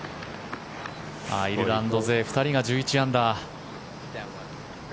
アイルランド勢２人が１１アンダー。